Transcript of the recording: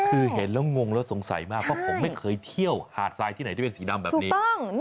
คือเห็นแล้วงงแล้วสงสัยมากเพราะผมไม่เคยเที่ยวหาดทรายที่ไหนที่เป็นสีดำแบบนี้